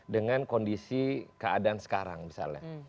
dengan kondisi keadaan sekarang misalnya